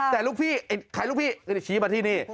แต่ลูกพี่ขายลูกพี่ชี้มาที่นี่